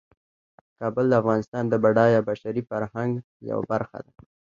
کابل د افغانستان د بډایه بشري فرهنګ یوه برخه ده.